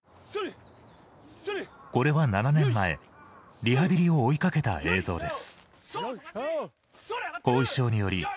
これは７年前、リハビリを追いかけた映像です